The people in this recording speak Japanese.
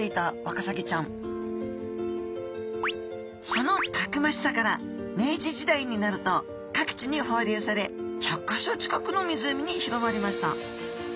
そのたくましさから明治時代になると各地に放流され１００か所近くの湖に広まりました。